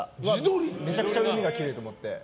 めちゃくちゃ海が奇麗と思って。